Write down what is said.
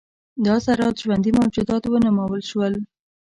دا ذرات ژوندي موجودات ونومول شول.